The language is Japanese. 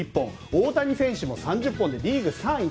大谷選手も３０本でリーグ３位